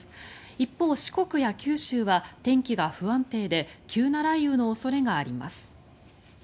一方、四国や九州は天気が不安定で急な雷雨の恐れがあります。